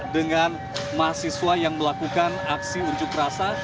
dengan mahasiswa yang melakukan aksi unjuk rasa